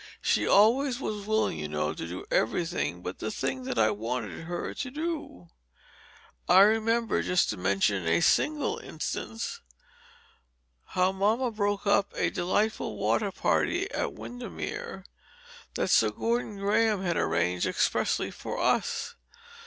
She always was willing, you know, to do everything but the thing that I wanted her to do. I remember, just to mention a single instance, how mamma broke up a delightful water party on Windermere that Sir Gordon Graham had arranged expressly for us.